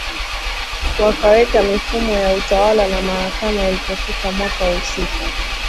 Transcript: Wakaweka mifumo ya utawala na mahakama ilipofika mwaka husika